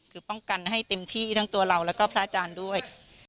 คือป้องกันให้เต็มที่ทั้งตัวเราแล้วก็พระอาจารย์ด้วย